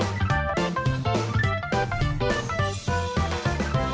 สวัสดีครับ